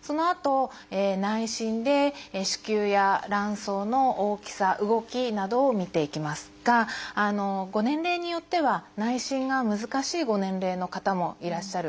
そのあと内診で子宮や卵巣の大きさ動きなどを診ていきますがご年齢によっては内診が難しいご年齢の方もいらっしゃる。